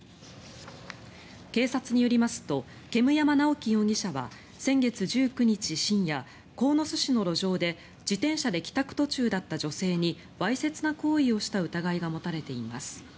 警察によりますと煙山直樹容疑者は先月１９日深夜鴻巣市の路上で自転車で帰宅途中だった女性にわいせつな行為をした疑いが持たれています。